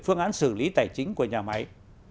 phương án xử lý tài chính của nhà máy